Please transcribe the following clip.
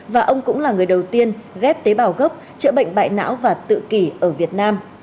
và ông cũng là người đầu tiên ghép tế bào gốc chữa bệnh bại não và tự kỷ ở việt nam